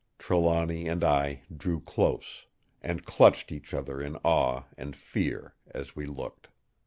"Trelawny and I drew close, and clutched each other in awe and fear as we looked.